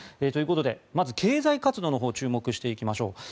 ということでまず経済活動のほう注目していきましょう。